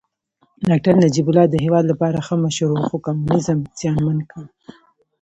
داکتر نجيب الله د هېواد لپاره ښه مشر و خو کمونيزم زیانمن کړ